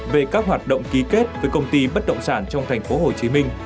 về các hoạt động ký kết với công ty bất động sản trong thành phố hồ chí minh